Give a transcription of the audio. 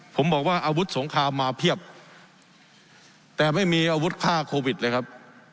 ผมบอกว่าอาวุธสงครามมาเพียบแต่ไม่มีอาวุธฆ่าโควิดเลยครับ